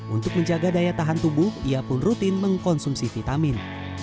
untuk menjaga daya tahan tubuh ia pun rutin mengkonsumsi vitamin